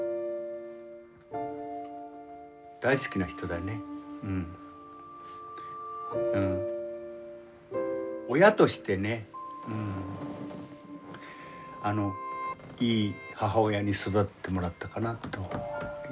だけど親としてねあのいい母親に育ててもらったかなと。